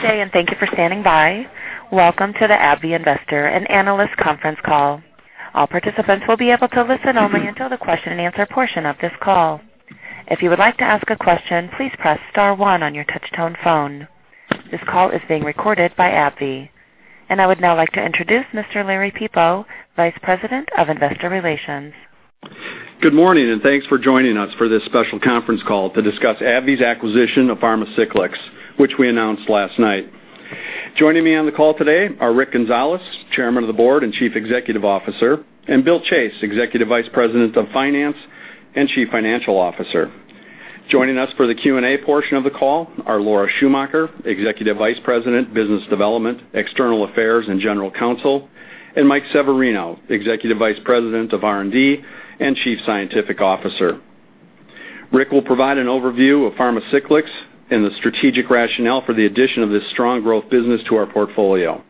Good day, thank you for standing by. Welcome to the AbbVie Investor and Analyst Conference Call. All participants will be able to listen only until the question and answer portion of this call. If you would like to ask a question, please press star one on your touch-tone phone. This call is being recorded by AbbVie. I would now like to introduce Mr. Larry Peepo, Vice President of Investor Relations. Good morning, thanks for joining us for this special conference call to discuss AbbVie's acquisition of Pharmacyclics, which we announced last night. Joining me on the call today are Rick Gonzalez, Chairman of the Board and Chief Executive Officer, and Bill Chase, Executive Vice President of Finance and Chief Financial Officer. Joining us for the Q&A portion of the call are Laura Schumacher, Executive Vice President, Business Development, External Affairs, and General Counsel, and Mike Severino, Executive Vice President of R&D and Chief Scientific Officer. Rick will provide an overview of Pharmacyclics and the strategic rationale for the addition of this strong growth business to our portfolio.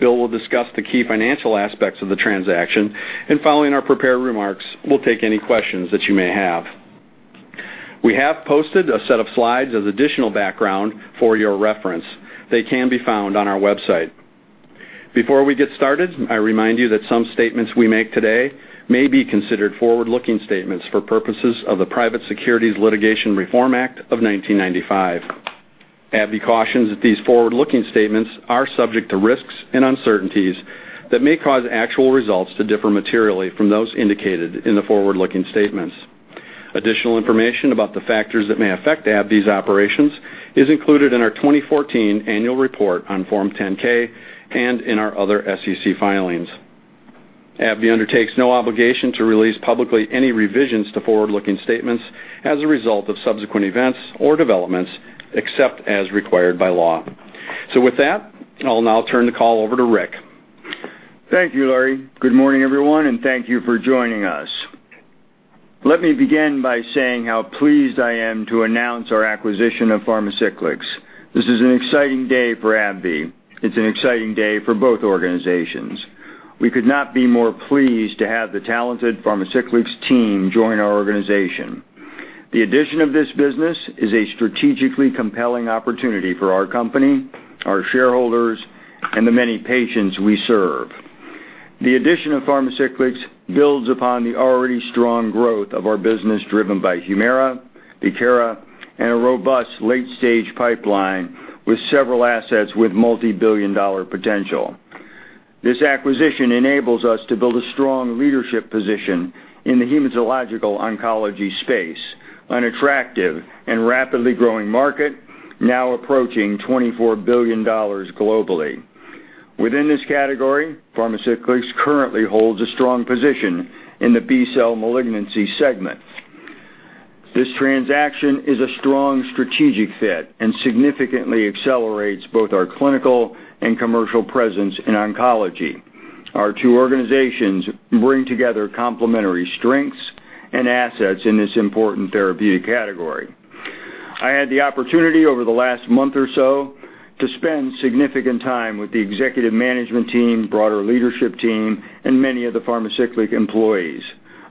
Bill will discuss the key financial aspects of the transaction, following our prepared remarks, we'll take any questions that you may have. We have posted a set of slides as additional background for your reference. They can be found on our website. Before we get started, I remind you that some statements we make today may be considered forward-looking statements for purposes of the Private Securities Litigation Reform Act of 1995. AbbVie cautions that these forward-looking statements are subject to risks and uncertainties that may cause actual results to differ materially from those indicated in the forward-looking statements. Additional information about the factors that may affect AbbVie's operations is included in our 2014 Annual Report on Form 10-K and in our other SEC filings. AbbVie undertakes no obligation to release publicly any revisions to forward-looking statements as a result of subsequent events or developments, except as required by law. With that, I'll now turn the call over to Rick. Thank you, Larry. Good morning, everyone, thank you for joining us. Let me begin by saying how pleased I am to announce our acquisition of Pharmacyclics. This is an exciting day for AbbVie. It's an exciting day for both organizations. We could not be more pleased to have the talented Pharmacyclics team join our organization. The addition of this business is a strategically compelling opportunity for our company, our shareholders, and the many patients we serve. The addition of Pharmacyclics builds upon the already strong growth of our business driven by HUMIRA, VIEKIRA, and a robust late-stage pipeline with several assets with multi-billion-dollar potential. This acquisition enables us to build a strong leadership position in the hematological oncology space, an attractive and rapidly growing market now approaching $24 billion globally. Within this category, Pharmacyclics currently holds a strong position in the BCL malignancy segment. This transaction is a strong strategic fit and significantly accelerates both our clinical and commercial presence in oncology. Our two organizations bring together complementary strengths and assets in this important therapeutic category. I had the opportunity over the last month or so to spend significant time with the executive management team, broader leadership team, and many of the Pharmacyclics employees.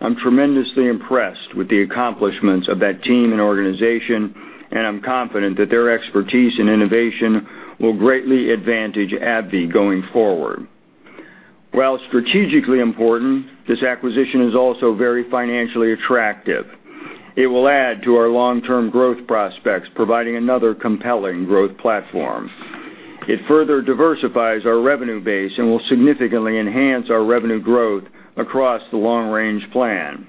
I'm tremendously impressed with the accomplishments of that team and organization, and I'm confident that their expertise and innovation will greatly advantage AbbVie going forward. While strategically important, this acquisition is also very financially attractive. It will add to our long-term growth prospects, providing another compelling growth platform. It further diversifies our revenue base and will significantly enhance our revenue growth across the long-range plan.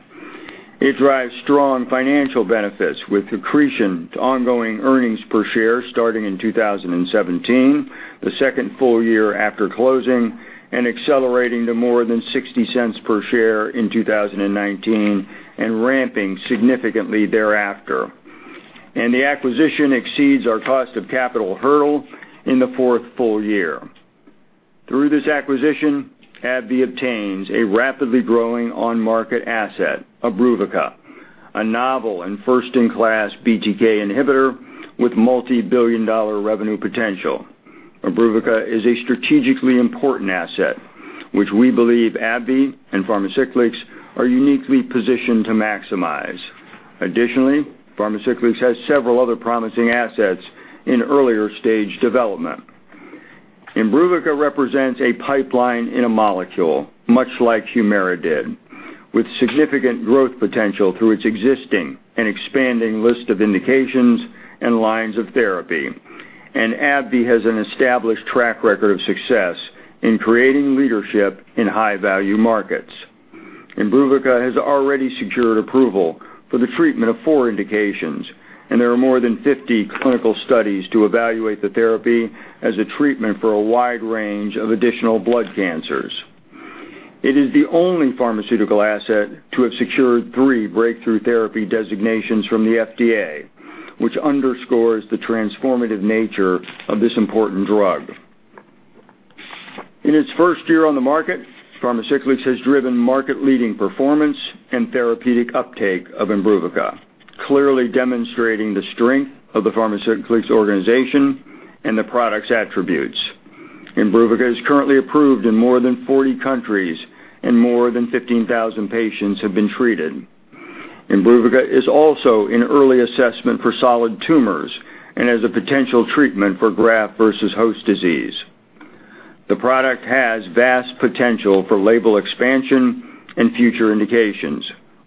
It drives strong financial benefits with accretion to ongoing earnings per share starting in 2017, the second full year after closing, and accelerating to more than $0.60 per share in 2019 and ramping significantly thereafter. The acquisition exceeds our cost of capital hurdle in the fourth full year. Through this acquisition, AbbVie obtains a rapidly growing on-market asset, IMBRUVICA, a novel and first-in-class BTK inhibitor with multi-billion-dollar revenue potential. IMBRUVICA is a strategically important asset, which we believe AbbVie and Pharmacyclics are uniquely positioned to maximize. Additionally, Pharmacyclics has several other promising assets in earlier stage development. IMBRUVICA represents a pipeline in a molecule, much like HUMIRA did, with significant growth potential through its existing and expanding list of indications and lines of therapy. AbbVie has an established track record of success in creating leadership in high-value markets. IMBRUVICA has already secured approval for the treatment of four indications. There are more than 50 clinical studies to evaluate the therapy as a treatment for a wide range of additional blood cancers. It is the only pharmaceutical asset to have secured three breakthrough therapy designations from the FDA, which underscores the transformative nature of this important drug. In its first year on the market, Pharmacyclics has driven market-leading performance and therapeutic uptake of IMBRUVICA, clearly demonstrating the strength of the Pharmacyclics organization and the product's attributes. IMBRUVICA is currently approved in more than 40 countries, and more than 15,000 patients have been treated. IMBRUVICA is also in early assessment for solid tumors and as a potential treatment for graft versus host disease. The product has vast potential for label expansion and future indications.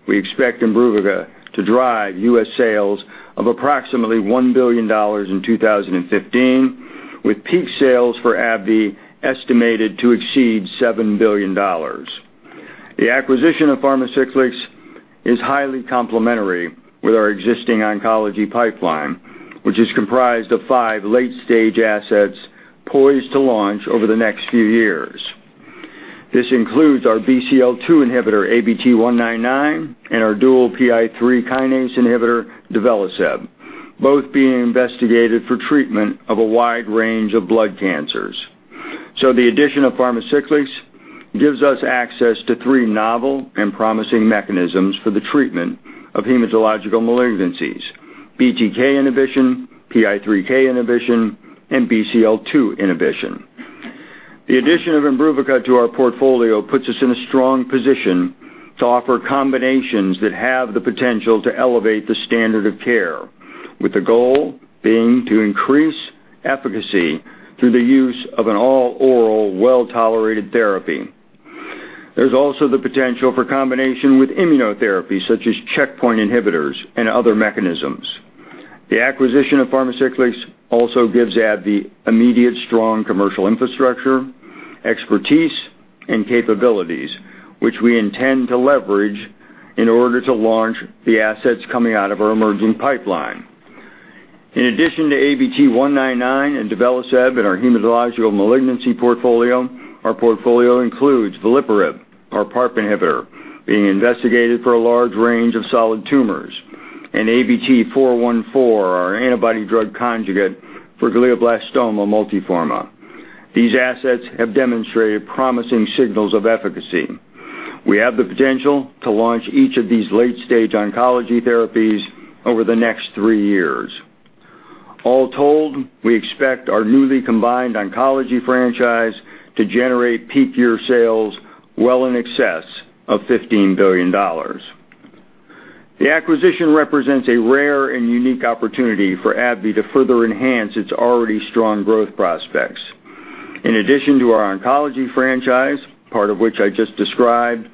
We expect IMBRUVICA to drive U.S. sales of approximately $1 billion in 2015, with peak sales for AbbVie estimated to exceed $7 billion. The acquisition of Pharmacyclics is highly complementary with our existing oncology pipeline, which is comprised of five late-stage assets poised to launch over the next few years. This includes our BCL-2 inhibitor, ABT-199, and our dual PI3 kinase inhibitor, duvelisib, both being investigated for treatment of a wide range of blood cancers. The addition of Pharmacyclics gives us access to three novel and promising mechanisms for the treatment of hematological malignancies, BTK inhibition, PI3K inhibition, and BCL-2 inhibition. The addition of IMBRUVICA to our portfolio puts us in a strong position to offer combinations that have the potential to elevate the standard of care, with the goal being to increase efficacy through the use of an all-oral, well-tolerated therapy. There's also the potential for combination with immunotherapy, such as checkpoint inhibitors and other mechanisms. The acquisition of Pharmacyclics also gives AbbVie immediate strong commercial infrastructure, expertise, and capabilities, which we intend to leverage in order to launch the assets coming out of our emerging pipeline. In addition to ABT-199 and [audio distrotion] in our hematological malignancy portfolio, our portfolio includes veliparib, our PARP inhibitor, being investigated for a large range of solid tumors, and ABT-414, our antibody-drug conjugate for glioblastoma multiforme. These assets have demonstrated promising signals of efficacy. We have the potential to launch each of these late-stage oncology therapies over the next three years. All told, we expect our newly combined oncology franchise to generate peak year sales well in excess of $15 billion. The acquisition represents a rare and unique opportunity for AbbVie to further enhance its already strong growth prospects. In addition to our oncology franchise, part of which I just described,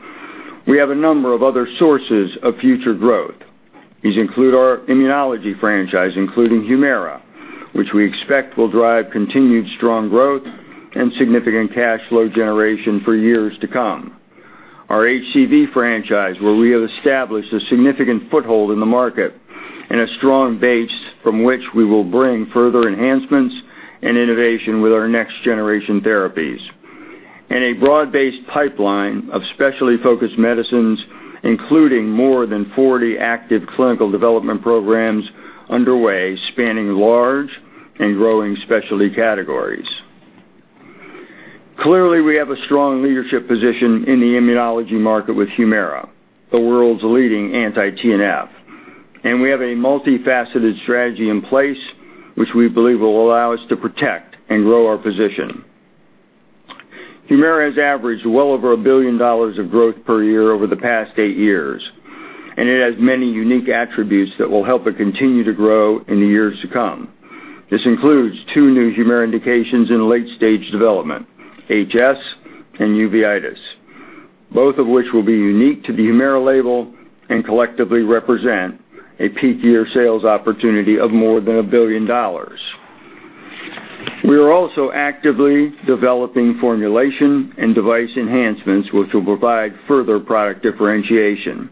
we have a number of other sources of future growth. These include our immunology franchise, including HUMIRA, which we expect will drive continued strong growth and significant cash flow generation for years to come. Our HCV franchise, where we have established a significant foothold in the market and a strong base from which we will bring further enhancements and innovation with our next-generation therapies. A broad-based pipeline of specialty-focused medicines, including more than 40 active clinical development programs underway, spanning large and growing specialty categories. Clearly, we have a strong leadership position in the immunology market with HUMIRA, the world's leading anti-TNF. We have a multifaceted strategy in place, which we believe will allow us to protect and grow our position. HUMIRA has averaged well over $1 billion of growth per year over the past 8 years, and it has many unique attributes that will help it continue to grow in the years to come. This includes two new HUMIRA indications in late-stage development, HS and uveitis, both of which will be unique to the HUMIRA label and collectively represent a peak year sales opportunity of more than $1 billion. We are also actively developing formulation and device enhancements which will provide further product differentiation.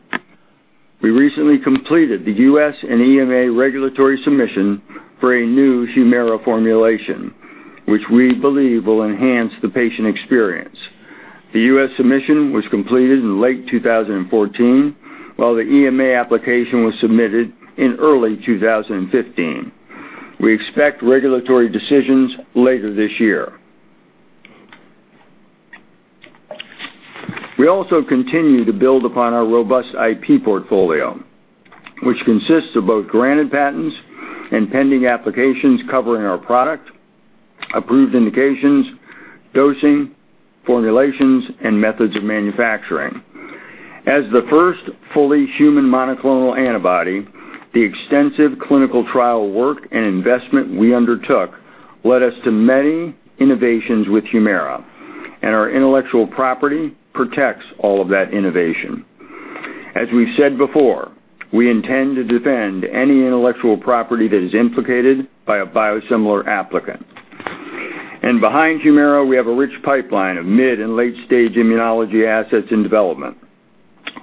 We recently completed the U.S. and EMA regulatory submission for a new HUMIRA formulation, which we believe will enhance the patient experience. The U.S. submission was completed in late 2014, while the EMA application was submitted in early 2015. We expect regulatory decisions later this year. We also continue to build upon our robust IP portfolio, which consists of both granted patents and pending applications covering our product, approved indications, dosing, formulations, and methods of manufacturing. As the first fully human monoclonal antibody, the extensive clinical trial work and investment we undertook led us to many innovations with HUMIRA, and our intellectual property protects all of that innovation. As we've said before, we intend to defend any intellectual property that is implicated by a biosimilar applicant. Behind HUMIRA, we have a rich pipeline of mid- and late-stage immunology assets in development.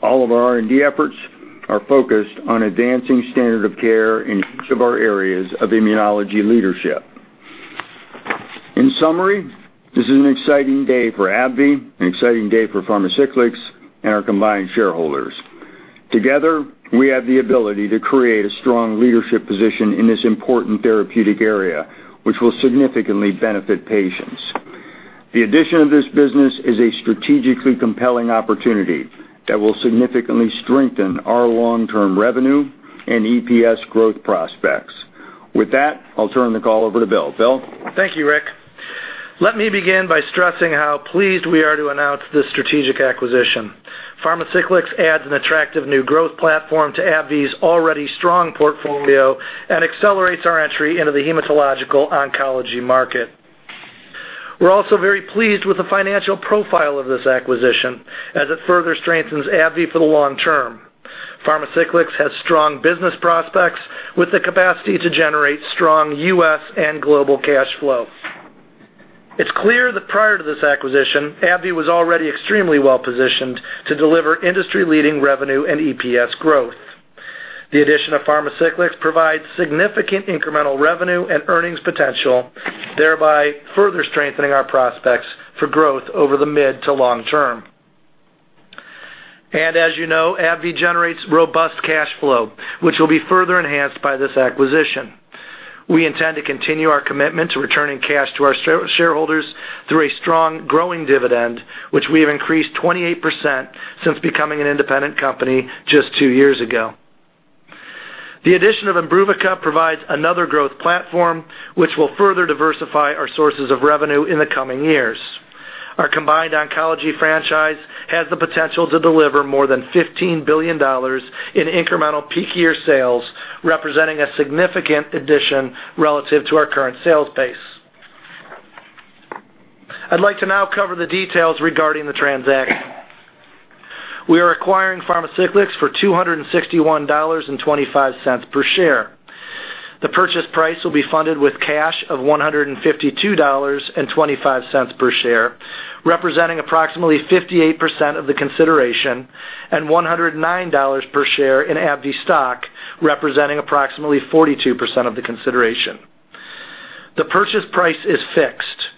All of our R&D efforts are focused on advancing standard of care in each of our areas of immunology leadership. In summary, this is an exciting day for AbbVie, an exciting day for Pharmacyclics, and our combined shareholders. Together, we have the ability to create a strong leadership position in this important therapeutic area, which will significantly benefit patients. The addition of this business is a strategically compelling opportunity that will significantly strengthen our long-term revenue and EPS growth prospects. With that, I'll turn the call over to Bill. Bill? Thank you, Rick. Let me begin by stressing how pleased we are to announce this strategic acquisition. Pharmacyclics adds an attractive new growth platform to AbbVie's already strong portfolio and accelerates our entry into the hematological oncology market. We're also very pleased with the financial profile of this acquisition, as it further strengthens AbbVie for the long term. Pharmacyclics has strong business prospects with the capacity to generate strong U.S. and global cash flow. It's clear that prior to this acquisition, AbbVie was already extremely well-positioned to deliver industry-leading revenue and EPS growth. The addition of Pharmacyclics provides significant incremental revenue and earnings potential, thereby further strengthening our prospects for growth over the mid to long term. As you know, AbbVie generates robust cash flow, which will be further enhanced by this acquisition. We intend to continue our commitment to returning cash to our shareholders through a strong growing dividend, which we have increased 28% since becoming an independent company just two years ago. The addition of IMBRUVICA provides another growth platform, which will further diversify our sources of revenue in the coming years. Our combined oncology franchise has the potential to deliver more than $15 billion in incremental peak year sales, representing a significant addition relative to our current sales base. I'd like to now cover the details regarding the transaction. We are acquiring Pharmacyclics for $261.25 per share. The purchase price will be funded with cash of $152.25 per share, representing approximately 58% of the consideration, and $109 per share in AbbVie stock, representing approximately 42% of the consideration. The purchase price is fixed.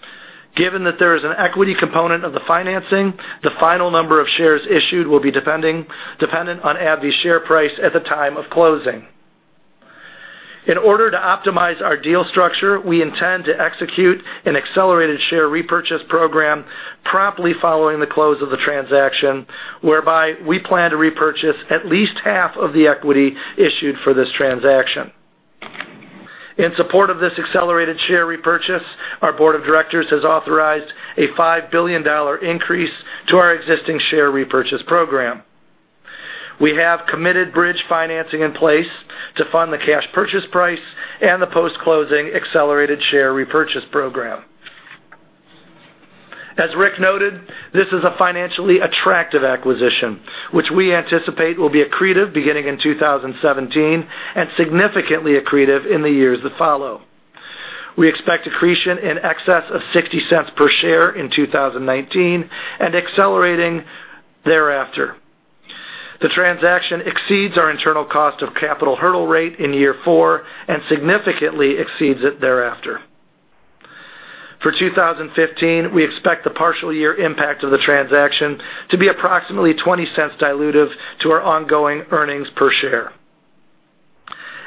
Given that there is an equity component of the financing, the final number of shares issued will be dependent on AbbVie's share price at the time of closing. In order to optimize our deal structure, we intend to execute an accelerated share repurchase program promptly following the close of the transaction, whereby we plan to repurchase at least half of the equity issued for this transaction. In support of this accelerated share repurchase, our board of directors has authorized a $5 billion increase to our existing share repurchase program. We have committed bridge financing in place to fund the cash purchase price and the post-closing accelerated share repurchase program. As Rick noted, this is a financially attractive acquisition, which we anticipate will be accretive beginning in 2017 and significantly accretive in the years that follow. We expect accretion in excess of $0.60 per share in 2019 and accelerating thereafter. The transaction exceeds our internal cost of capital hurdle rate in year four and significantly exceeds it thereafter. For 2015, we expect the partial year impact of the transaction to be approximately $0.20 dilutive to our ongoing earnings per share.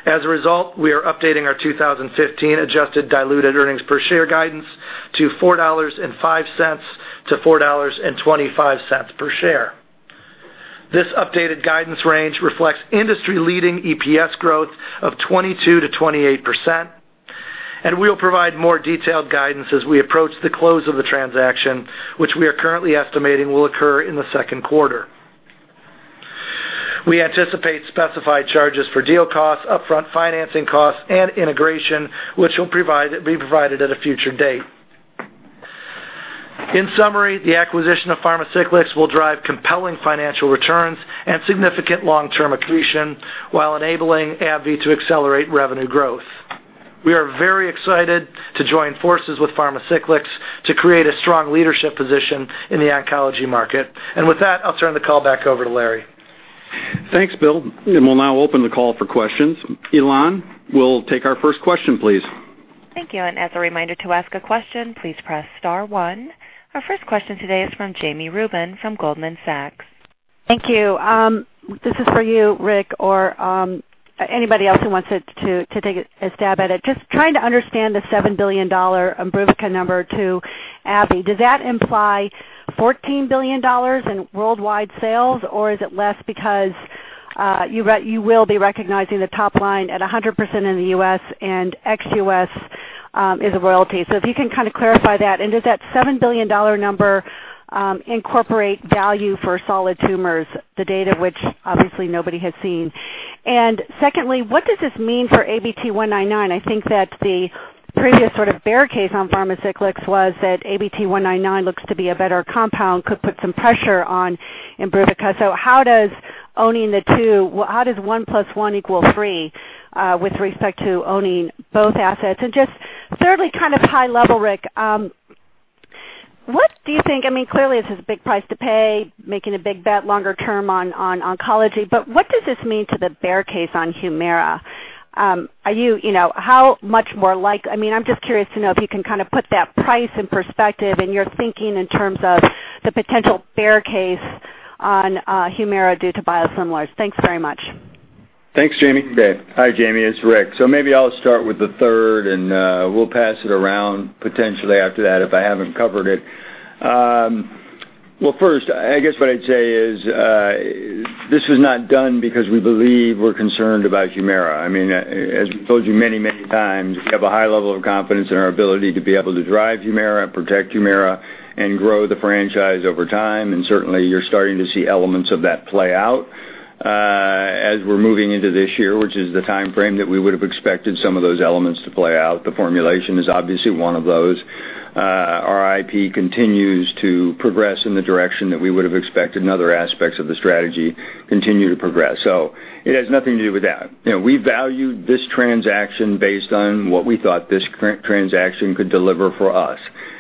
As a result, we are updating our 2015 adjusted diluted earnings per share guidance to $4.05 to $4.25 per share. This updated guidance range reflects industry-leading EPS growth of 22%-28%. We will provide more detailed guidance as we approach the close of the transaction, which we are currently estimating will occur in the second quarter. We anticipate specified charges for deal costs, upfront financing costs, and integration, which will be provided at a future date. In summary, the acquisition of Pharmacyclics will drive compelling financial returns and significant long-term accretion while enabling AbbVie to accelerate revenue growth. We are very excited to join forces with Pharmacyclics to create a strong leadership position in the oncology market. With that, I will turn the call back over to Larry. Thanks, Bill. We will now open the call for questions. Elan, we will take our first question, please. Thank you, and as a reminder to ask a question, please press *1. Our first question today is from Jami Rubin from Goldman Sachs. Thank you. This is for you, Rick, or anybody else who wants to take a stab at it. Just trying to understand the $7 billion IMBRUVICA number to AbbVie. Does that imply $14 billion in worldwide sales, or is it less because you will be recognizing the top line at 100% in the U.S. and ex-U.S. is a royalty? If you can kind of clarify that, and does that $7 billion number incorporate value for solid tumors, the data which obviously nobody has seen? Secondly, what does this mean for ABT-199? I think that the previous sort of bear case on Pharmacyclics was that ABT-199 looks to be a better compound, could put some pressure on IMBRUVICA. How does one plus one equal three with respect to owning both assets? Just thirdly kind of high level, Rick, what do you think? Clearly this is a big price to pay, making a big bet longer term on oncology. What does this mean to the bear case on HUMIRA? I'm just curious to know if you can kind of put that price in perspective and your thinking in terms of the potential bear case on HUMIRA due to biosimilars. Thanks very much. Thanks, Jami. Okay. Hi, Jami. It's Rick. Maybe I'll start with the third, we'll pass it around potentially after that if I haven't covered it. Well, first, I guess what I'd say is, this was not done because we believe we're concerned about HUMIRA. As we've told you many times, we have a high level of confidence in our ability to be able to drive HUMIRA and protect HUMIRA and grow the franchise over time, certainly you're starting to see elements of that play out as we're moving into this year, which is the timeframe that we would've expected some of those elements to play out. The formulation is obviously one of those. Our IP continues to progress in the direction that we would've expected, other aspects of the strategy continue to progress. It has nothing to do with that. We valued this transaction based on what we thought this transaction could deliver for us,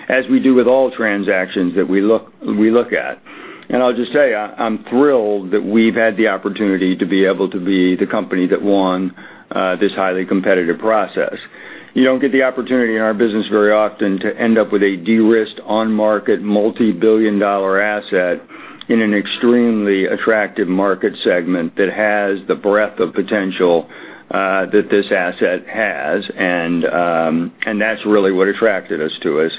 as we do with all transactions that we look at. I'll just say, I'm thrilled that we've had the opportunity to be able to be the company that won this highly competitive process. You don't get the opportunity in our business very often to end up with a de-risked, on-market, multi-billion dollar asset in an extremely attractive market segment that has the breadth of potential that this asset has. That's really what attracted us to it.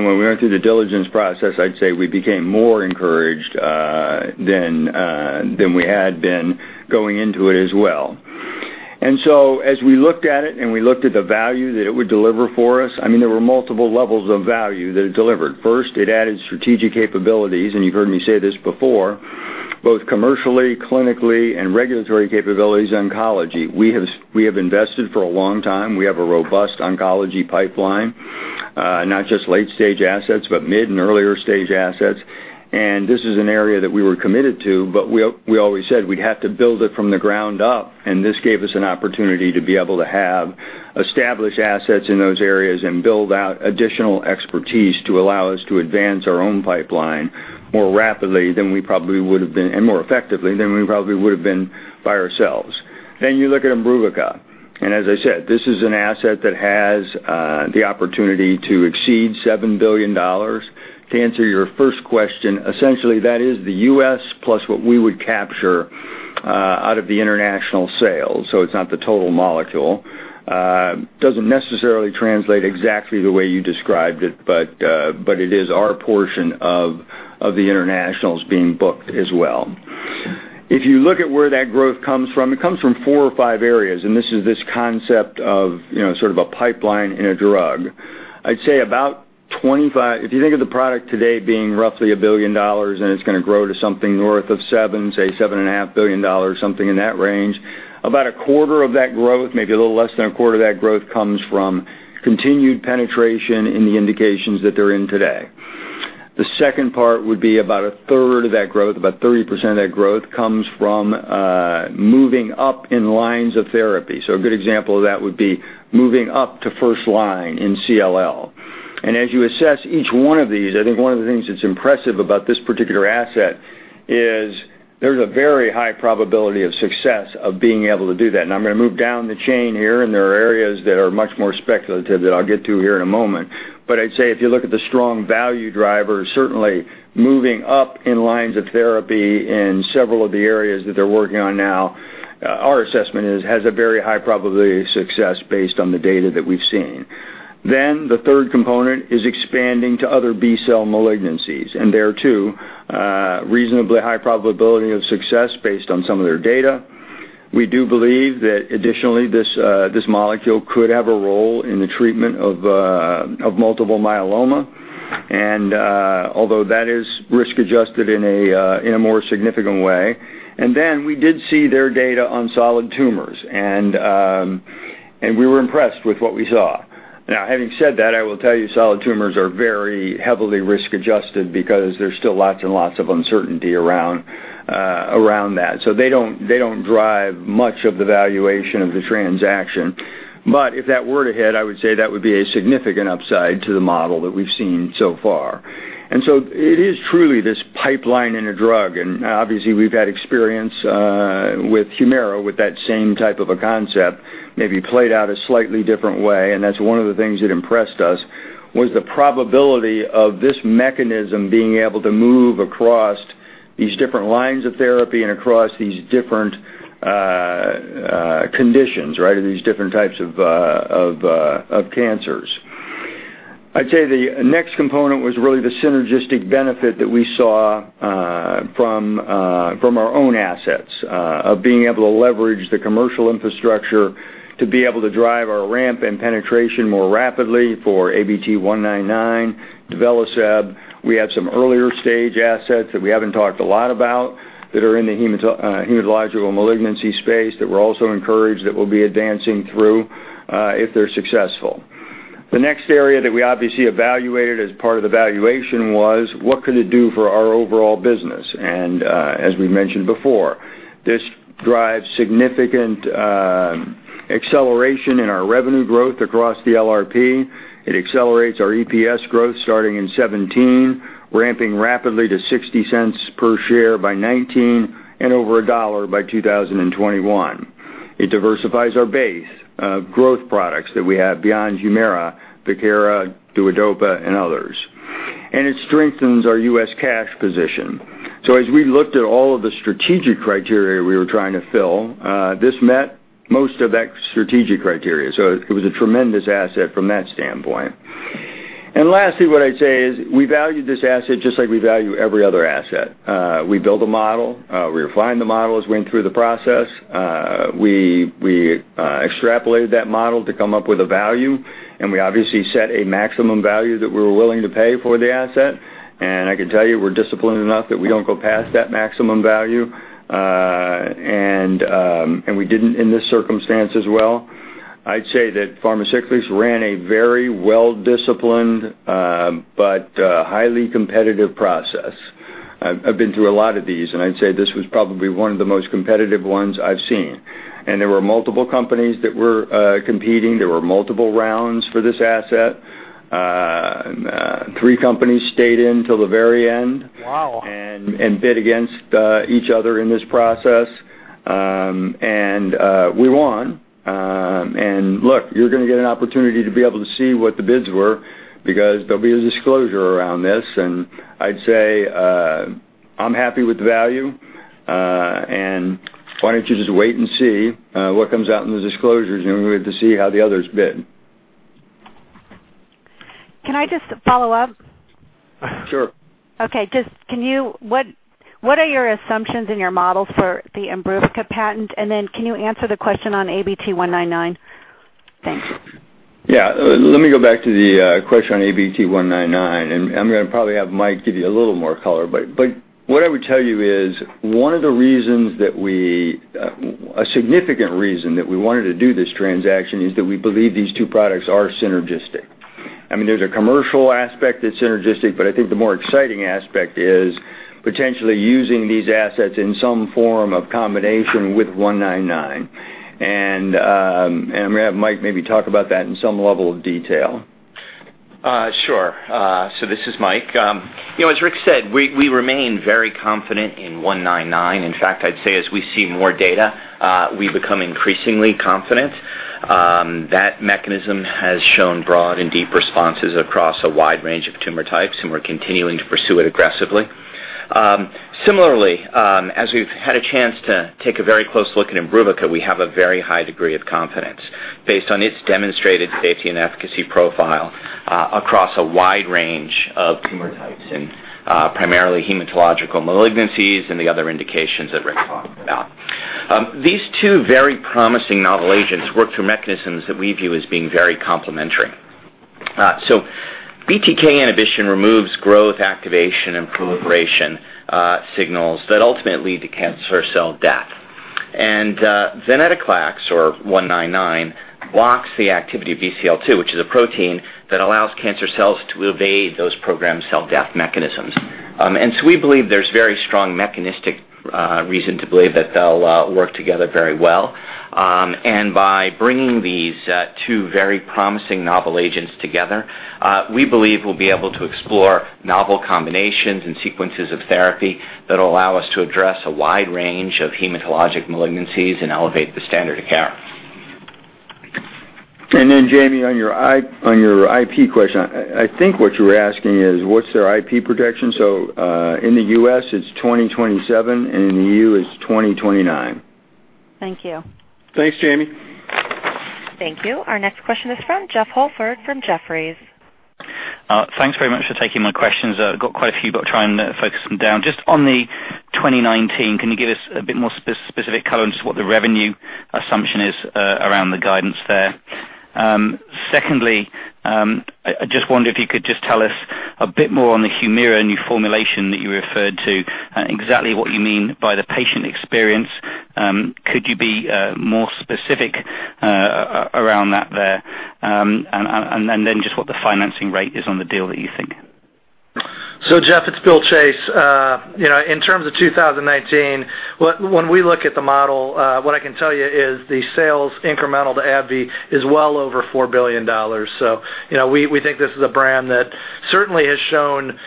When we went through the diligence process, I'd say we became more encouraged than we had been going into it as well. As we looked at it, we looked at the value that it would deliver for us, there were multiple levels of value that it delivered. First, it added strategic capabilities, you've heard me say this before, both commercially, clinically, and regulatory capabilities, oncology. We have invested for a long time. We have a robust oncology pipeline. Not just late-stage assets, but mid and earlier-stage assets. This is an area that we were committed to, we always said we'd have to build it from the ground up, this gave us an opportunity to be able to have established assets in those areas and build out additional expertise to allow us to advance our own pipeline more rapidly than we probably would've been, more effectively than we probably would've been by ourselves. You look at IMBRUVICA, as I said, this is an asset that has the opportunity to exceed $7 billion. To answer your first question, essentially that is the U.S. plus what we would capture out of the international sales, it's not the total molecule. Doesn't necessarily translate exactly the way you described it, but it is our portion of the internationals being booked as well. If you look at where that growth comes from, it comes from four or five areas, and this is this concept of sort of a pipeline and a drug. If you think of the product today being roughly $1 billion, and it's going to grow to something north of $7 billion, say $7.5 billion, something in that range, about a quarter of that growth, maybe a little less than a quarter of that growth, comes from continued penetration in the indications that they're in today. The second part would be about a third of that growth, about 30% of that growth, comes from moving up in lines of therapy. A good example of that would be moving up to first line in CLL. As you assess each one of these, I think one of the things that's impressive about this particular asset is there's a very high probability of success of being able to do that. I'm going to move down the chain here, there are areas that are much more speculative that I'll get to here in a moment. I'd say if you look at the strong value drivers, certainly moving up in lines of therapy in several of the areas that they're working on now, our assessment is it has a very high probability of success based on the data that we've seen. The third component is expanding to other B-cell malignancies, and there too, reasonably high probability of success based on some of their data. We do believe that additionally, this molecule could have a role in the treatment of multiple myeloma, although that is risk-adjusted in a more significant way. We did see their data on solid tumors, we were impressed with what we saw. Having said that, I will tell you solid tumors are very heavily risk-adjusted because there's still lots and lots of uncertainty around that. They don't drive much of the valuation of the transaction. If that were to hit, I would say that would be a significant upside to the model that we've seen so far. It is truly this pipeline and a drug. Obviously we've had experience with HUMIRA with that same type of a concept, maybe played out a slightly different way, and that's one of the things that impressed us was the probability of this mechanism being able to move across these different lines of therapy and across these different conditions or these different types of cancers. I'd say the next component was really the synergistic benefit that we saw from our own assets of being able to leverage the commercial infrastructure to be able to drive our ramp and penetration more rapidly for ABT-199, venetoclax. We have some earlier-stage assets that we haven't talked a lot about that are in the hematological malignancy space that we're also encouraged that we'll be advancing through if they're successful. The next area that we obviously evaluated as part of the valuation was what could it do for our overall business? As we mentioned before, this drives significant acceleration in our revenue growth across the LRP. It accelerates our EPS growth starting in 2017, ramping rapidly to $0.60 per share by 2019, and over $1 by 2021. It diversifies our base of growth products that we have beyond HUMIRA, VIEKIRA, DUODOPA, and others. It strengthens our U.S. cash position. As we looked at all of the strategic criteria we were trying to fill, this met most of that strategic criteria. It was a tremendous asset from that standpoint. Lastly, what I'd say is we valued this asset just like we value every other asset. We build a model, we refine the model as we went through the process. We extrapolated that model to come up with a value, and we obviously set a maximum value that we were willing to pay for the asset. I can tell you, we're disciplined enough that we don't go past that maximum value. We didn't in this circumstance as well. I'd say that Pharmacyclics ran a very well-disciplined, but highly competitive process. I've been through a lot of these, and I'd say this was probably one of the most competitive ones I've seen. There were multiple companies that were competing. There were multiple rounds for this asset. Three companies stayed in till the very end- Wow bid against each other in this process. We won. Look, you're going to get an opportunity to be able to see what the bids were because there'll be a disclosure around this. I'd say, I'm happy with the value. Why don't you just wait and see what comes out in the disclosures, and we have to see how the others bid. Can I just follow up? Sure. Okay. What are your assumptions in your model for the IMBRUVICA patent? Then can you answer the question on ABT-199? Thanks. Yeah. Let me go back to the question on ABT-199. I'm going to probably have Mike give you a little more color. What I would tell you is, one of the reasons that A significant reason that we wanted to do this transaction is that we believe these two products are synergistic. There's a commercial aspect that's synergistic, but I think the more exciting aspect is potentially using these assets in some form of combination with 199. I'm going to have Mike maybe talk about that in some level of detail. Sure. This is Mike. As Rick said, we remain very confident in 199. In fact, I'd say as we see more data, we become increasingly confident. That mechanism has shown broad and deep responses across a wide range of tumor types. We're continuing to pursue it aggressively. Similarly, as we've had a chance to take a very close look at IMBRUVICA, we have a very high degree of confidence based on its demonstrated safety and efficacy profile across a wide range of tumor types and primarily hematological malignancies and the other indications that Rick talked about. These two very promising novel agents work through mechanisms that we view as being very complementary. BTK inhibition removes growth, activation, and proliferation signals that ultimately lead to cancer cell death. Venetoclax or 199 blocks the activity of BCL-2, which is a protein that allows cancer cells to evade those programmed cell death mechanisms. We believe there's very strong mechanistic reason to believe that they'll work together very well. By bringing these two very promising novel agents together, we believe we'll be able to explore novel combinations and sequences of therapy that'll allow us to address a wide range of hematologic malignancies and elevate the standard of care. Jami, on your IP question, I think what you were asking is what's their IP protection? In the U.S. it's 2027, in the EU it's 2029. Thank you. Thanks, Jami. Thank you. Our next question is from Jeffrey Holford from Jefferies. Thanks very much for taking my questions. I've got quite a few, but I'll try and focus them down. Just on the 2019, can you give us a bit more specific color into what the revenue assumption is around the guidance there? Secondly, I just wonder if you could just tell us a bit more on the HUMIRA new formulation that you referred to, exactly what you mean by the patient experience. Could you be more specific around that there? What the financing rate is on the deal that you think. Jeff, it's Bill Chase. In terms of 2019, when we look at the model, what I can tell you is the sales incremental to AbbVie is well over $4 billion. We think this is a brand that certainly has shown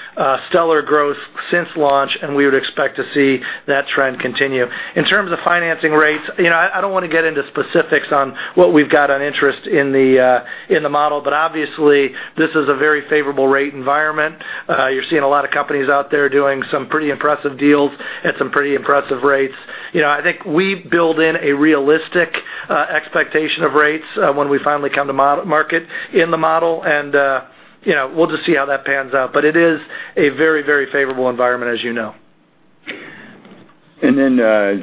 stellar growth since launch, and we would expect to see that trend continue. In terms of financing rates, I don't want to get into specifics on what we've got on interest in the model, but obviously this is a very favorable rate environment. You're seeing a lot of companies out there doing some pretty impressive deals at some pretty impressive rates. I think we build in a realistic expectation of rates when we finally come to market in the model, and we'll just see how that pans out. It is a very, very favorable environment, as you know.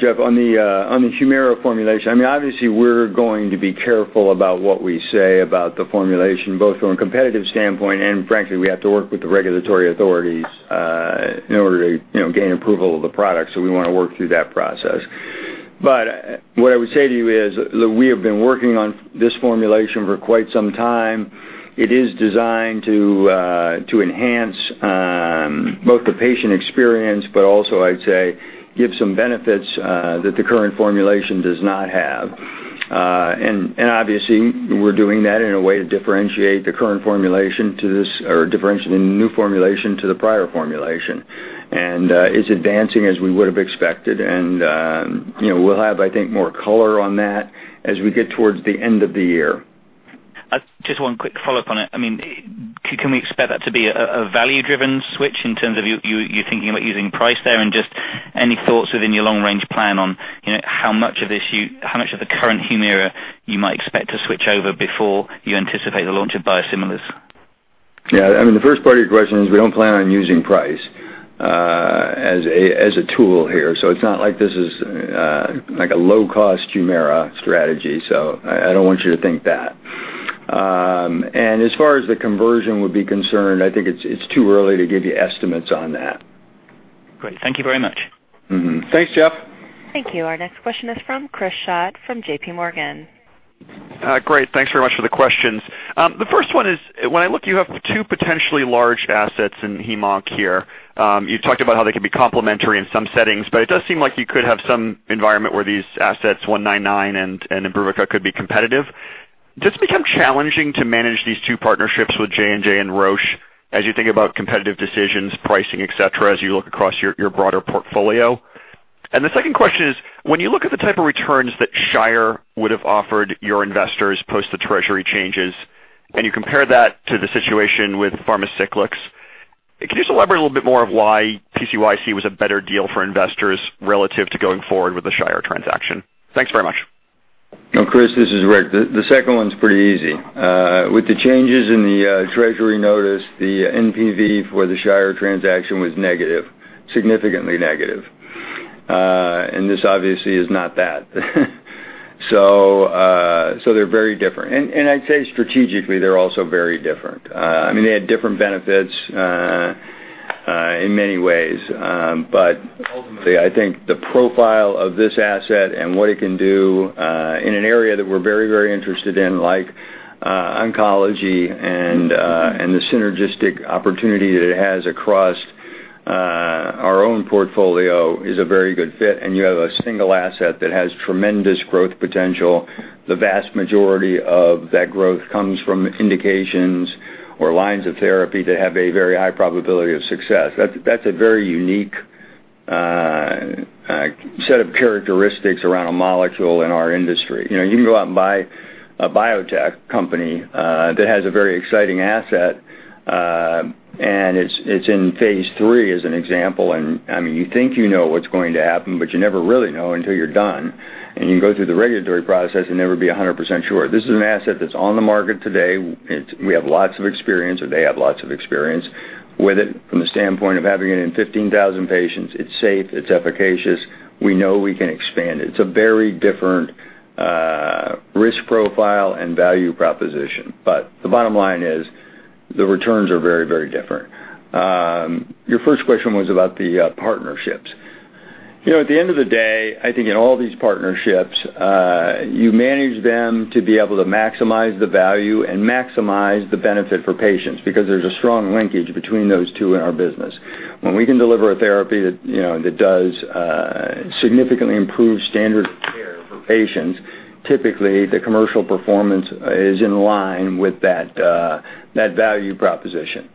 Jeff, on the HUMIRA formulation, obviously we're going to be careful about what we say about the formulation, both from a competitive standpoint and frankly, we have to work with the regulatory authorities in order to gain approval of the product. We want to work through that process. What I would say to you is that we have been working on this formulation for quite some time. It is designed to enhance both the patient experience, but also I'd say give some benefits that the current formulation does not have. Obviously we're doing that in a way to differentiate the current formulation to this, or differentiating the new formulation to the prior formulation. It's advancing as we would've expected. We'll have, I think, more color on that as we get towards the end of the year. Just one quick follow-up on it. Can we expect that to be a value-driven switch in terms of you thinking about using price there? Any thoughts within your long-range plan on how much of the current HUMIRA you might expect to switch over before you anticipate the launch of biosimilars? Yeah. The first part of your question is we don't plan on using price as a tool here. It's not like this is like a low-cost HUMIRA strategy. I don't want you to think that. As far as the conversion would be concerned, I think it's too early to give you estimates on that. Great. Thank you very much. Mm-hmm. Thanks, Jeff. Thank you. Our next question is from Chris Schott from JP Morgan. Great. Thanks very much for the questions. The first one is, when I look, you have two potentially large assets in hemonc here. You talked about how they can be complementary in some settings, but it does seem like you could have some environment where these assets, 199 and ibrutinib could be competitive. Does it become challenging to manage these two partnerships with J&J and Roche as you think about competitive decisions, pricing, et cetera, as you look across your broader portfolio? The second question is, when you look at the type of returns that Shire would have offered your investors post the treasury changes, and you compare that to the situation with Pharmacyclics, can you just elaborate a little bit more of why PCYC was a better deal for investors relative to going forward with the Shire transaction? Thanks very much. Chris, this is Rick. The second one's pretty easy. With the changes in the treasury notice, the NPV for the Shire transaction was negative, significantly negative. This obviously is not that. They're very different. They had different benefits in many ways. Ultimately, I think the profile of this asset and what it can do in an area that we're very interested in, like oncology and the synergistic opportunity that it has across our own portfolio is a very good fit, and you have a single asset that has tremendous growth potential. The vast majority of that growth comes from indications or lines of therapy that have a very high probability of success. That's a very unique set of characteristics around a molecule in our industry. You can go out and buy a biotech company that has a very exciting asset, and it's in phase III as an example, and you think you know what's going to happen, but you never really know until you're done. You can go through the regulatory process and never be 100% sure. This is an asset that's on the market today. We have lots of experience, or they have lots of experience with it from the standpoint of having it in 15,000 patients. It's safe, it's efficacious. We know we can expand it. It's a very different risk profile and value proposition. The bottom line is the returns are very different. Your first question was about the partnerships. At the end of the day, I think in all these partnerships, you manage them to be able to maximize the value and maximize the benefit for patients because there's a strong linkage between those two in our business. When we can deliver a therapy that does significantly improve standard of care for patients, typically the commercial performance is in line with that value proposition.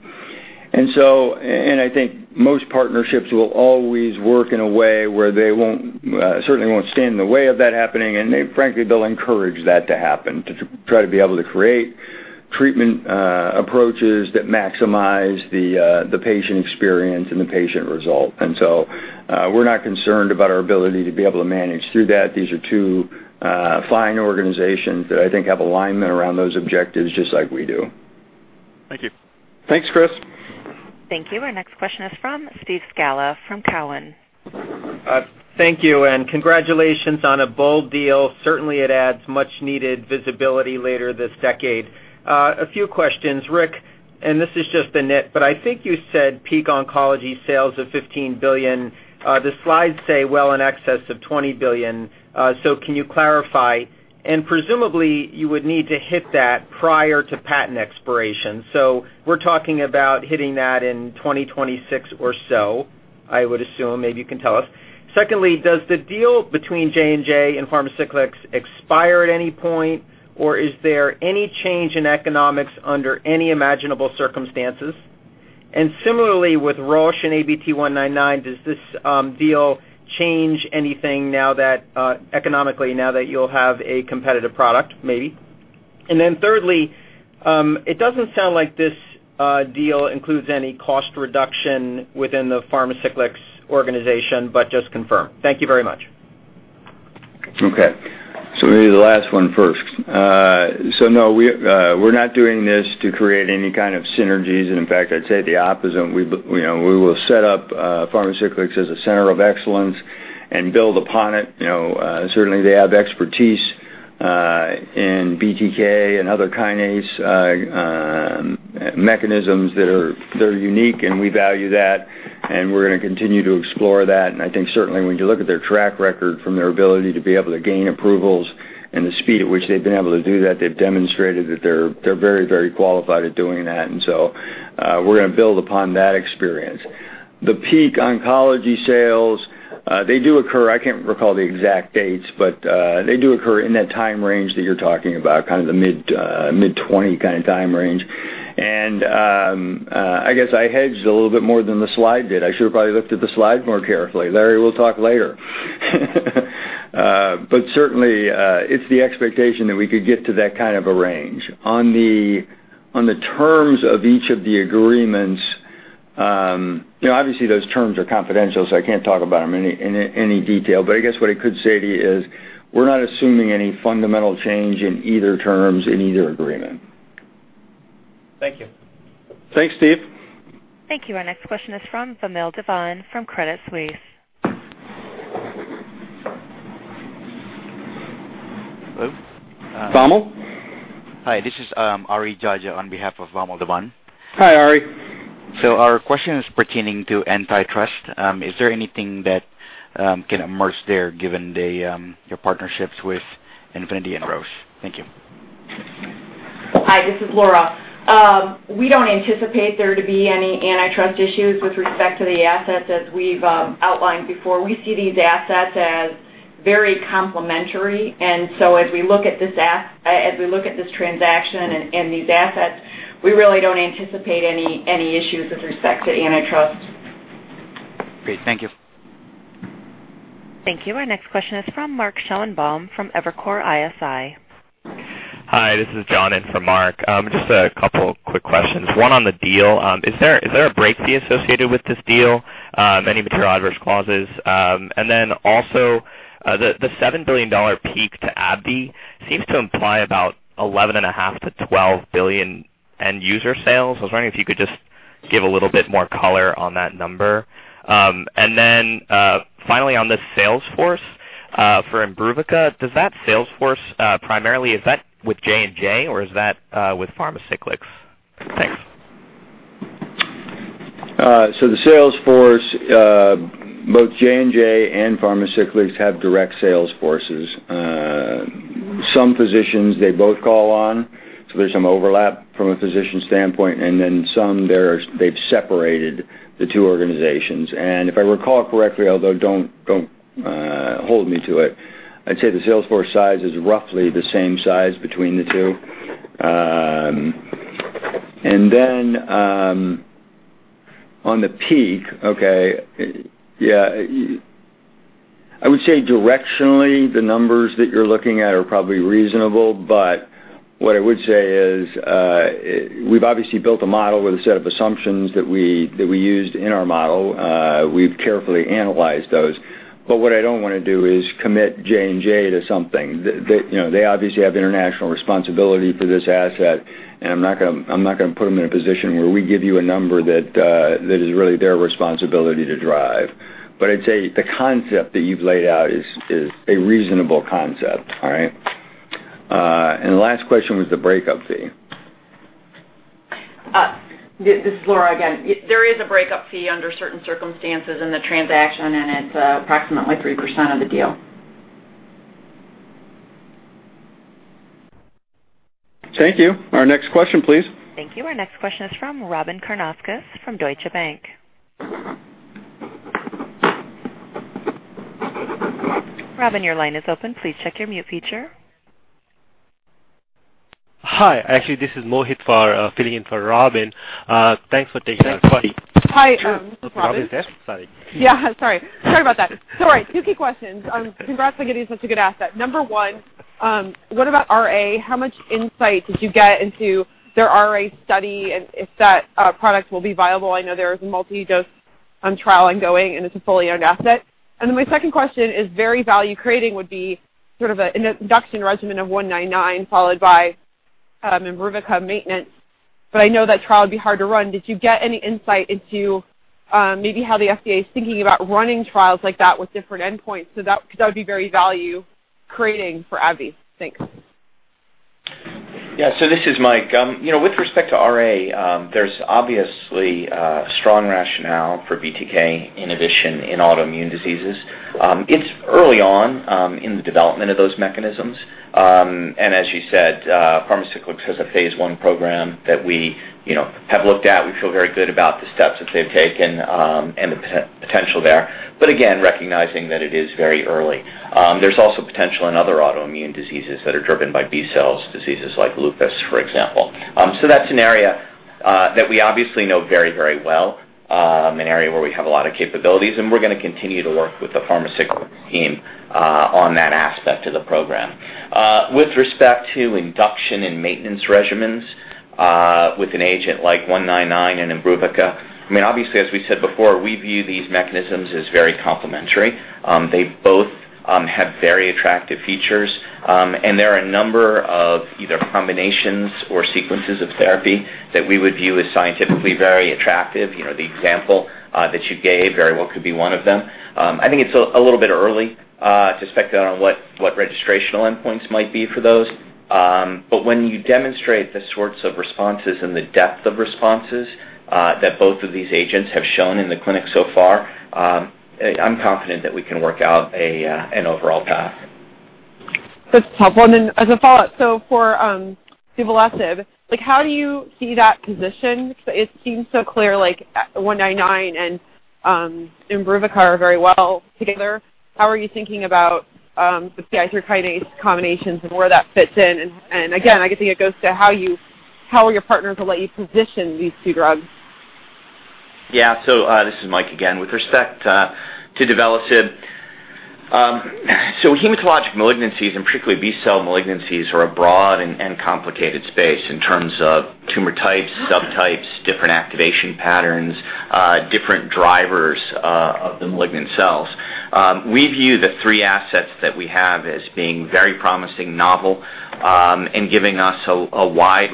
I think most partnerships will always work in a way where they certainly won't stand in the way of that happening, and frankly, they'll encourage that to happen, to try to be able to create treatment approaches that maximize the patient experience and the patient result. We're not concerned about our ability to be able to manage through that. These are two fine organizations that I think have alignment around those objectives just like we do. Thank you. Thanks, Chris. Thank you. Our next question is from Steve Scala from Cowen. Thank you. Congratulations on a bold deal. Certainly, it adds much-needed visibility later this decade. A few questions. Rick, this is just a nit, but I think you said peak oncology sales of $15 billion. The slides say well in excess of $20 billion. Can you clarify? Presumably, you would need to hit that prior to patent expiration. We're talking about hitting that in 2026 or so, I would assume. Maybe you can tell us. Secondly, does the deal between J&J and Pharmacyclics expire at any point? Is there any change in economics under any imaginable circumstances? Similarly, with Roche and ABT-199, does this deal change anything economically now that you'll have a competitive product, maybe? Thirdly, it doesn't sound like this deal includes any cost reduction within the Pharmacyclics organization, but just confirm. Thank you very much. Maybe the last one first. No, we're not doing this to create any kind of synergies. In fact, I'd say the opposite. We will set up Pharmacyclics as a center of excellence and build upon it. Certainly, they have expertise in BTK and other kinase mechanisms that are unique, and we value that, and we're going to continue to explore that. I think certainly when you look at their track record from their ability to be able to gain approvals and the speed at which they've been able to do that, they've demonstrated that they're very qualified at doing that. We're going to build upon that experience. The peak oncology sales, they do occur, I can't recall the exact dates, but they do occur in that time range that you're talking about, kind of the mid 20 kind of time range. I guess I hedged a little bit more than the slide did. I should have probably looked at the slide more carefully. Larry will talk later. Certainly, it's the expectation that we could get to that kind of a range. On the terms of each of the agreements, obviously those terms are confidential, so I can't talk about them in any detail. I guess what I could say to you is we're not assuming any fundamental change in either terms in either agreement. Thank you. Thanks, Steve. Thank you. Our next question is from Vamil Divan from Credit Suisse. Hello? Vamil? Hi, this is Ari Jahja on behalf of Vamil Divan. Hi, Ari. Our question is pertaining to antitrust. Is there anything that can emerge there given your partnerships with Infinity and Roche? Thank you. Hi, this is Laura. We don't anticipate there to be any antitrust issues with respect to the assets as we've outlined before. We see these assets as very complementary, as we look at this transaction and these assets, we really don't anticipate any issues with respect to antitrust. Great. Thank you. Thank you. Our next question is from Mark Schoenebaum from Evercore ISI. Hi, this is John in for Mark. Just a couple of quick questions. One on the deal. Is there a break fee associated with this deal? Any material adverse clauses? Also, the $7 billion peak to AbbVie seems to imply about $11.5 billion-$12 billion end-user sales. I was wondering if you could just give a little bit more color on that number. Finally, on the sales force for IMBRUVICA, does that sales force primarily, is that with J&J, or is that with Pharmacyclics? Thanks. The sales force, both J&J and Pharmacyclics have direct sales forces. Some physicians they both call on, so there's some overlap from a physician standpoint, then some they've separated the two organizations. If I recall correctly, although don't hold me to it, I'd say the sales force size is roughly the same size between the two. Then on the peak, okay. I would say directionally, the numbers that you're looking at are probably reasonable, but what I would say is we've obviously built a model with a set of assumptions that we used in our model. We've carefully analyzed those. What I don't want to do is commit J&J to something. They obviously have international responsibility for this asset, and I'm not going to put them in a position where we give you a number that is really their responsibility to drive. I'd say the concept that you've laid out is a reasonable concept. All right? The last question was the breakup fee. This is Laura again. There is a breakup fee under certain circumstances in the transaction, it's approximately 3% of the deal. Thank you. Our next question, please. Thank you. Our next question is from Robyn Karnauskas from Deutsche Bank. Robyn, your line is open. Please check your mute feature. Hi. Actually, this is Mohit filling in for Robyn. Thanks for taking our call. Hi, this is Robyn. Robyn's here? Sorry. Yeah. Sorry. Sorry about that. It's all right. Two key questions. Congrats on getting such a good asset. Number one, what about RA? How much insight did you get into their RA study and if that product will be viable? I know there's a multi-dose trial ongoing, and it's a fully owned asset. My second question is very value-creating would be sort of an induction regimen of 199 followed by IMBRUVICA maintenance. I know that trial would be hard to run. Did you get any insight into maybe how the FDA is thinking about running trials like that with different endpoints? That would be very value-creating for AbbVie. Thanks. This is Mike. With respect to RA, there's obviously a strong rationale for BTK inhibition in autoimmune diseases. It's early on in the development of those mechanisms, and as you said, Pharmacyclics has a phase I program that we have looked at. We feel very good about the steps that they've taken and the potential there. Again, recognizing that it is very early. There's also potential in other autoimmune diseases that are driven by B-cells, diseases like lupus, for example. That's an area that we obviously know very, very well, an area where we have a lot of capabilities, and we're going to continue to work with the Pharmacyclics team on that aspect of the program. With respect to induction and maintenance regimens with an agent like 199 and IMBRUVICA, obviously, as we said before, we view these mechanisms as very complementary. They both have very attractive features. There are a number of either combinations or sequences of therapy that we would view as scientifically very attractive. The example that you gave very well could be one of them. I think it's a little bit early to speculate on what registrational endpoints might be for those. When you demonstrate the sorts of responses and the depth of responses that both of these agents have shown in the clinic so far, I'm confident that we can work out an overall path. That's helpful. As a follow-up, for duvelisib, how do you see that positioned? It seems so clear, like 199 and IMBRUVICA are very well together. How are you thinking about the tyrosine kinase combinations and where that fits in? Again, I think it goes to how will your partner to let you position these two drugs? Yeah. This is Mike again. With respect to duvelisib, hematologic malignancies, and particularly B-cell malignancies, are a broad and complicated space in terms of tumor types, subtypes, different activation patterns, different drivers of the malignant cells. We view the three assets that we have as being very promising, novel, and giving us a wide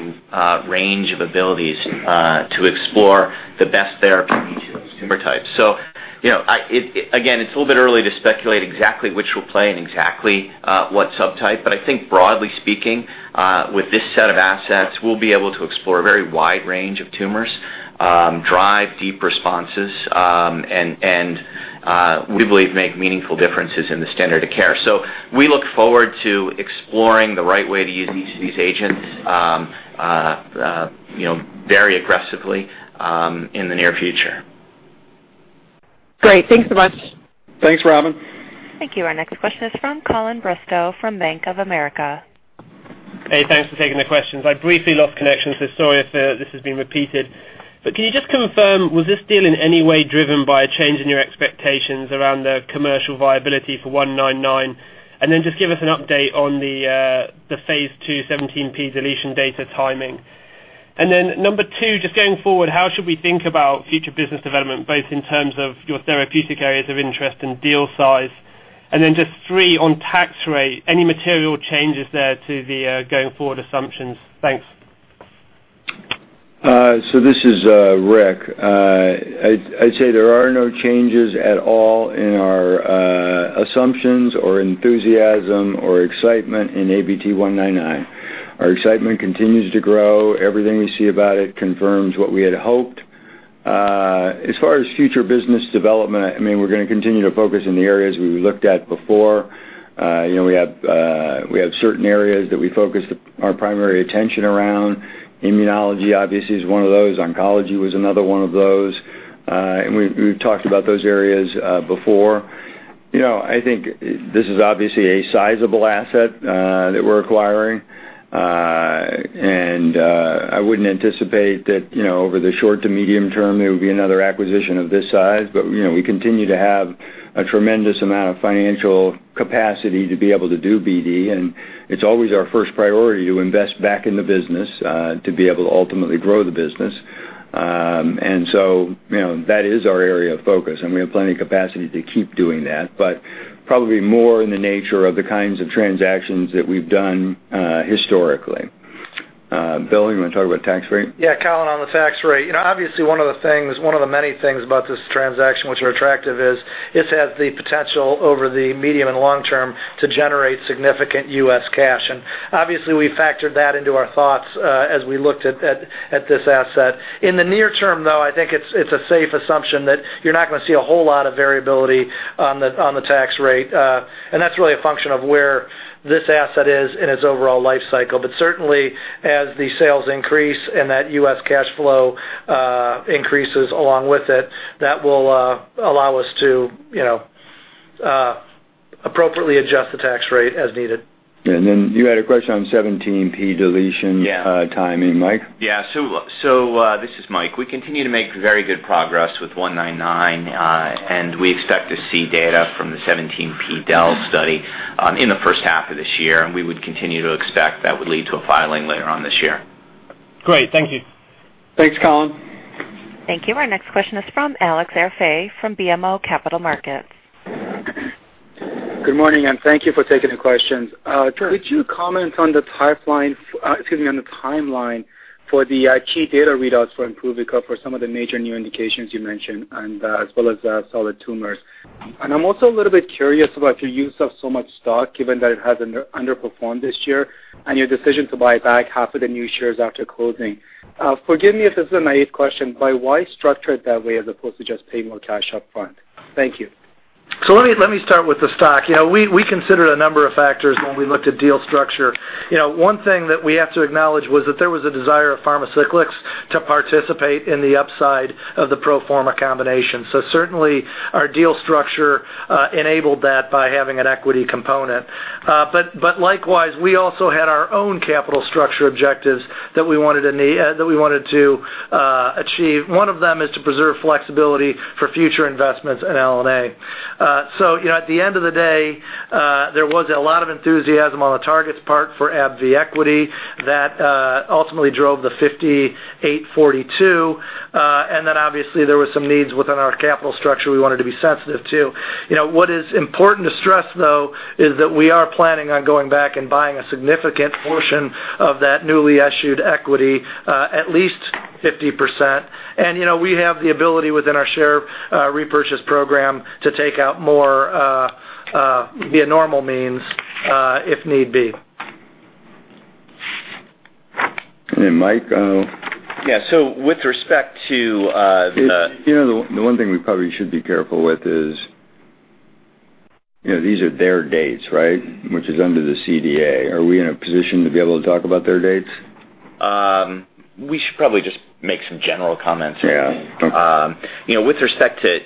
range of abilities to explore the best therapy for each of those tumor types. Again, it's a little bit early to speculate exactly which will play in exactly what subtype. I think broadly speaking, with this set of assets, we'll be able to explore a very wide range of tumors, drive deep responses, and we believe make meaningful differences in the standard of care. We look forward to exploring the right way to use each of these agents very aggressively in the near future. Great. Thanks so much. Thanks, Robyn. Thank you. Our next question is from Colin Bristow from Bank of America. Thanks for taking the questions. I briefly lost connection, so sorry if this has been repeated. Can you just confirm, was this deal in any way driven by a change in your expectations around the commercial viability for ABT-199? Just give us an update on the phase II 17p deletion data timing. Number 2, just going forward, how should we think about future business development, both in terms of your therapeutic areas of interest and deal size? Just 3, on tax rate, any material changes there to the going-forward assumptions? Thanks. This is Rick. I'd say there are no changes at all in our assumptions or enthusiasm or excitement in ABT-199. Our excitement continues to grow. Everything we see about it confirms what we had hoped. As far as future business development, we're going to continue to focus in the areas we looked at before. We have certain areas that we focus our primary attention around. Immunology obviously is one of those. Oncology was another one of those. We've talked about those areas before. I think this is obviously a sizable asset that we're acquiring. I wouldn't anticipate that over the short to medium term, there would be another acquisition of this size. We continue to have a tremendous amount of financial capacity to be able to do BD, and it's always our first priority to invest back in the business to be able to ultimately grow the business. That is our area of focus, and we have plenty of capacity to keep doing that, but probably more in the nature of the kinds of transactions that we've done historically. Bill, you want to talk about tax rate? Yeah, Colin, on the tax rate. Obviously, one of the many things about this transaction which are attractive is this has the potential over the medium and long term to generate significant U.S. cash. Obviously, we factored that into our thoughts as we looked at this asset. In the near term, though, I think it's a safe assumption that you're not going to see a whole lot of variability on the tax rate. That's really a function of where this asset is in its overall life cycle. Certainly, as the sales increase and that U.S. cash flow increases along with it, that will allow us to appropriately adjust the tax rate as needed. You had a question on 17p deletion. Yeah Timing, Mike? Yeah. This is Mike. We continue to make very good progress with 199, and we expect to see data from the 17p del study in the first half of this year, and we would continue to expect that would lead to a filing later on this year. Great. Thank you. Thanks, Colin. Thank you. Our next question is from Alex Arfaei from BMO Capital Markets. Good morning, thank you for taking the questions. Sure. Could you comment on the timeline for the key data readouts for IMBRUVICA for some of the major new indications you mentioned and as well as solid tumors? I'm also a little bit curious about your use of so much stock, given that it has underperformed this year and your decision to buy back half of the new shares after closing. Forgive me if this is a naive question, but why structure it that way as opposed to just paying more cash up front? Thank you. Let me start with the stock. We considered a number of factors when we looked at deal structure. One thing that we have to acknowledge was that there was a desire of Pharmacyclics to participate in the upside of the pro forma combination. Certainly, our deal structure enabled that by having an equity component. Likewise, we also had our own capital structure objectives that we wanted to achieve. One of them is to preserve flexibility for future investments in licensing and acquisitions. At the end of the day, there was a lot of enthusiasm on the target's part for AbbVie equity that ultimately drove the $58.42. Obviously, there were some needs within our capital structure we wanted to be sensitive to. What is important to stress, though, is that we are planning on going back and buying a significant portion of that newly issued equity, at least 50%. We have the ability within our share repurchase program to take out more via normal means if need be. Mike? Yeah. The one thing we probably should be careful with is these are their dates, right? Which is under the CDA. Are we in a position to be able to talk about their dates? We should probably just make some general comments. Yeah. Okay. With respect to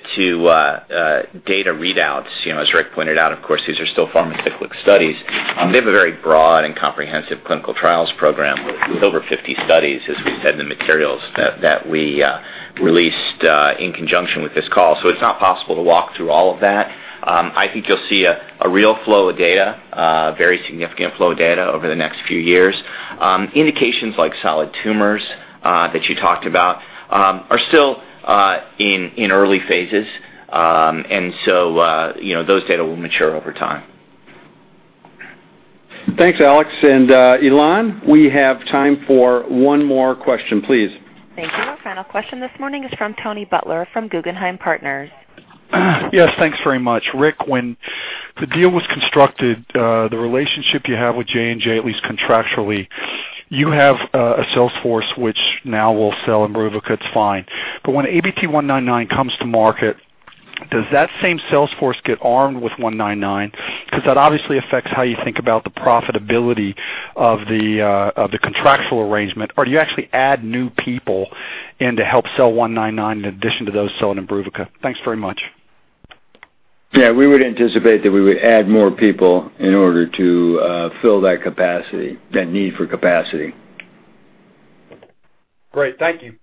data readouts, as Rick pointed out, of course, these are still Pharmacyclics studies. They have a very broad and comprehensive clinical trials program with over 50 studies, as we said in the materials that we released in conjunction with this call. It's not possible to walk through all of that. I think you'll see a real flow of data, a very significant flow of data over the next few years. Indications like solid tumors that you talked about are still in early phases, those data will mature over time. Thanks, Alex. Elan, we have time for one more question, please. Thank you. Our final question this morning is from Tony Butler from Guggenheim Partners. Yes, thanks very much. Rick, when the deal was constructed, the relationship you have with J&J, at least contractually, you have a sales force which now will sell IMBRUVICA. It's fine. When ABT-199 comes to market, does that same sales force get armed with 199? Because that obviously affects how you think about the profitability of the contractual arrangement, or do you actually add new people in to help sell 199 in addition to those selling IMBRUVICA? Thanks very much. Yeah, we would anticipate that we would add more people in order to fill that capacity, that need for capacity. Great. Thank you.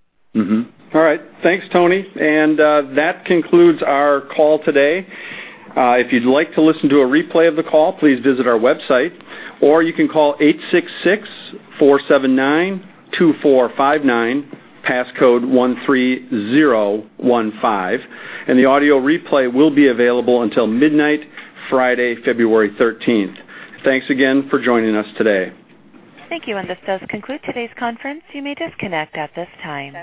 All right. Thanks, Tony. That concludes our call today. If you'd like to listen to a replay of the call, please visit our website, or you can call 866-479-2459, passcode 13015. The audio replay will be available until midnight Friday, February 13th. Thanks again for joining us today. Thank you. This does conclude today's conference. You may disconnect at this time.